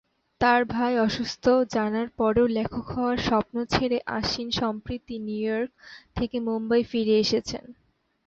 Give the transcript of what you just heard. তার ভাই অসুস্থ জানার পরে লেখক হওয়ার স্বপ্ন ছেড়ে আশ্বিন সম্প্রতি নিউইয়র্ক থেকে মুম্বাই ফিরে এসেছেন।